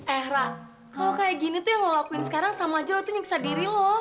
eh ra kalau kayak gini tuh yang lo lakuin sekarang sama aja lo tuh nyiksa diri lo